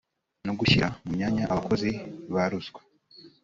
no gushyira mu myanya abakozi ba ruswa